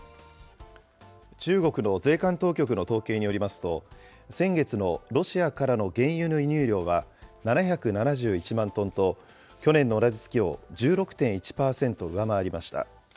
中国の税関当局の統計によりますと、先月のロシアからの原油の輸入量は、７７１万トンと、去年の同じ月を１６．１％上回りました。